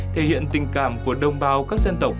thể hiện tình cảm của đồng bào các dân tộc